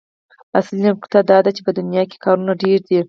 اصلي نکته دا ده چې په دنيا کې کارونه ډېر دي.